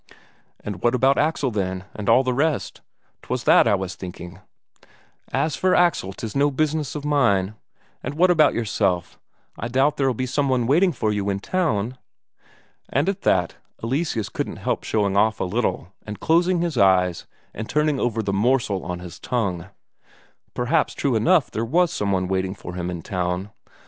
"But what about Axel, then, and all the rest? 'twas that I was thinking." "As for Axel, 'tis no business of mine. And what about yourself I doubt there'll be some one waiting for you in town?" And at that, Eleseus couldn't help showing off a little and closing his eyes and turning over the morsel on his tongue: perhaps true enough there was some one waiting for him in town.